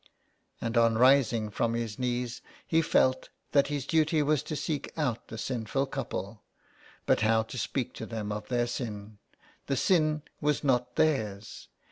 And on rising from his knees he felt that his duty was to seek out the sinful couple. But how to speak to them of their sin ? The sin was not their's.